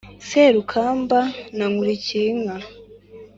Serukamba na Nkurikiyinka.